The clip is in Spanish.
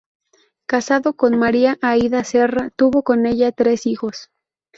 Casado con María Aída Serra, tuvo con ella tres hijos.